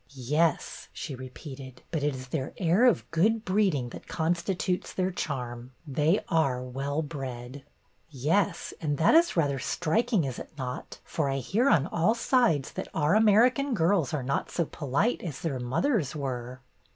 '' Yes," she repeated, but it is their air of good breeding that constitutes their charm. They are well bred." '' Yes, and that is rather striking, is it not, for I hear on all sides that our American girls are not so polite as their mothers were."